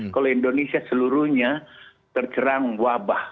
kalau indonesia seluruhnya tercerang wabah